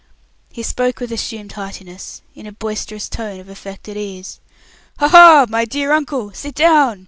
He spoke with assumed heartiness, in a boisterous tone of affected ease. "Ha, ha! My dear uncle, sit down.